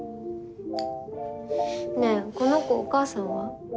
ねえこの子お母さんは？